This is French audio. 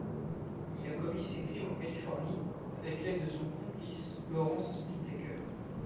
Il a commis ses crimes en Californie avec l’aide de son complice, Lawrence Bittaker.